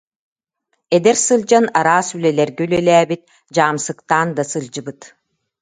Эдэр сылдьан араас үлэлэргэ үлэлээбит, дьаамсыктаан да сылдьыбыт